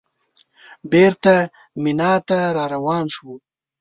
بېرته مینا ته راروان شوو.